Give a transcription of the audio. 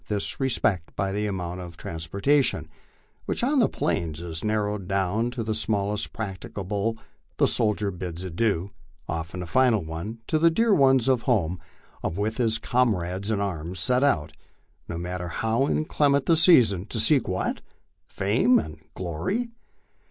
this respect by the amount of trans portation, which on the Plains is narrowed down to the smallest practicable, the soldier bids adieu often a final one to the dear ones of home, and with his comrades in arms sets out, no matter how inclement the season, to seek what? fame and glory?